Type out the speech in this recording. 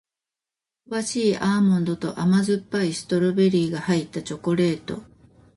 香ばしいアーモンドと甘酸っぱいストロベリーが入ったチョコレート